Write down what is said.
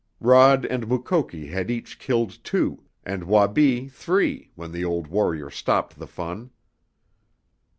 Rod and Mukoki had each killed two, and Wabi three, when the old warrior stopped the fun.